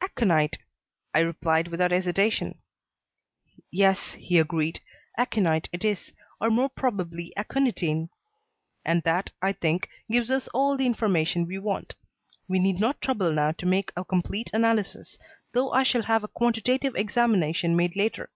"Aconite," I replied without hesitation. "Yes," he agreed; "aconite it is, or more probably aconitine. And that, I think, gives us all the information we want. We need not trouble now to make a complete analysis, though I shall have a quantitative examination made later.